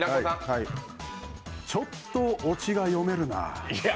ちょっとオチが読めるなあ。